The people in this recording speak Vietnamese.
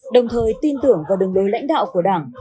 đồng thời tin tưởng vào đường lối lãnh đạo của đảng